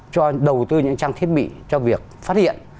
cho đầu tư những trang thiết bị cho việc phát hiện